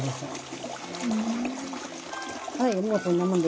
はいもうそんなもんで。